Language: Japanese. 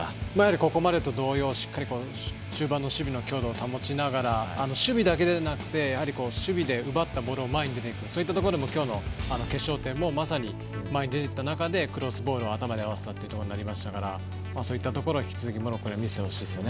ここまでと同様しっかりと中盤の守備の強度を保ちながら守備だけでなくて、守備で奪ったボールを前に出ていくそういったところでも今日の決勝点も前に出ていったところのクロスボールとなりましたからそういったところモロッコはやってほしいですね。